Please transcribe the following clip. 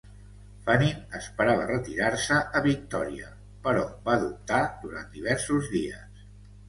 Fannin esperava retirar-se a Victòria, però va dubtar durant diversos dies.